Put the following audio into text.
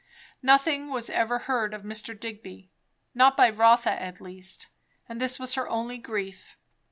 Nothing was ever heard of Mr. Digby, not by Rotha at least; and this was her only grief.